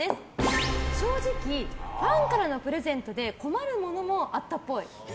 正直、ファンからのプレゼントで困るものもあったっぽい。